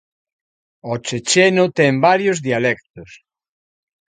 O checheno ten varios dialectos.